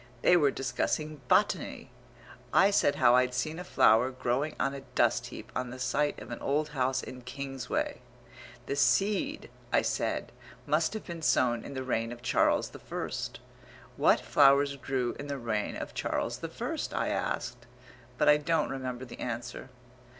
They were discussing botany. I said how I'd seen a flower growing on a dust heap on the site of an old house in Kingsway. The seed, I said, must have been sown in the reign of Charles the First. What flowers grew in the reign of Charles the First?" I asked (but I don't remember the answer).